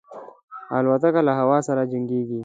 الوتکه له هوا سره جنګيږي.